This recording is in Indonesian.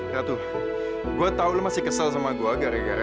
ratu gue tau lo masih kesal sama gue agar agar